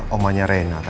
omanya reina tadi telepon